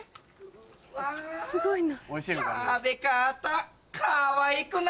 すごいな。